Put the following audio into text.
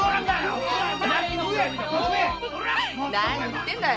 何言ってんだい。